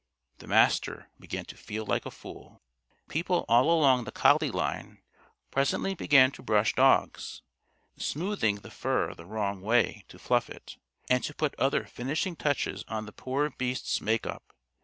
The Master began to feel like a fool. People all along the collie line presently began to brush dogs (smoothing the fur the wrong way to fluff it) and to put other finishing touches on the poor beasts' make up.